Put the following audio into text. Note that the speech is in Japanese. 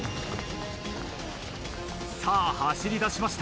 さあ走りだしました。